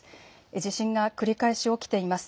地震が繰り返し起きています。